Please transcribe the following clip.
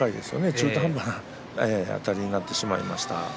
中途半端なあたりになってしまいました。